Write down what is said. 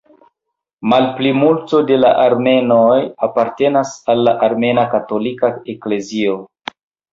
Malplimulto de la armenoj apartenas al la Armena Katolika Eklezio.